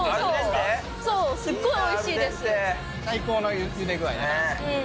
最高のゆで具合なんだ。